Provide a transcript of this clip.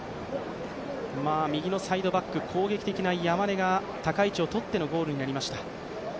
右のサイドバック、攻撃的な山根が高い位置をとってのゴールになりました。